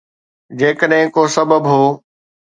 جيڪڏهن ڪو سبب هو.